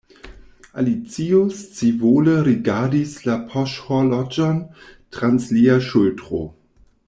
Alicio scivole rigardis la poŝhorloĝon trans lia ŝultro.